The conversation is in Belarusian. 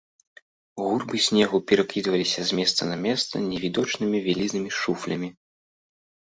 Гурбы снегу перакідваліся з месца на месца невідочнымі вялізнымі шуфлямі.